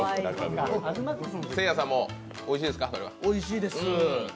おいしいです。